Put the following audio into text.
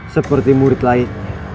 seperti murid lainnya